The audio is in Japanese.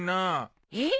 えっ？